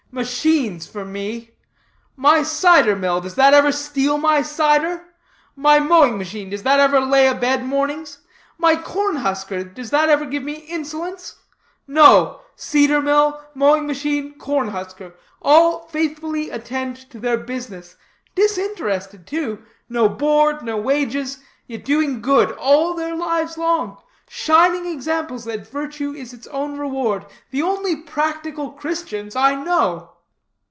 Machines for me. My cider mill does that ever steal my cider? My mowing machine does that ever lay a bed mornings? My corn husker does that ever give me insolence? No: cider mill, mowing machine, corn husker all faithfully attend to their business. Disinterested, too; no board, no wages; yet doing good all their lives long; shining examples that virtue is its own reward the only practical Christians I know."